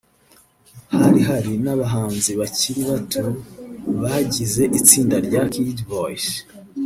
Hari hari n’abahanzi bakiri bato bagize itsinda rya Kid Voice